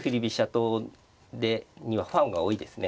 党にはファンが多いですね。